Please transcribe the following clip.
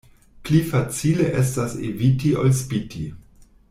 Pli facile estas eviti ol spiti.